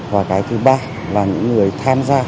và cái thứ ba là những người tham gia